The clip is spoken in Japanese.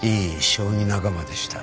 将棋仲間でした。